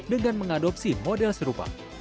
dengan mengadopsi model serupa